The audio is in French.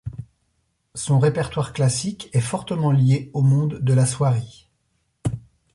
Son répertoire classique est fortement lié au monde de la soierie.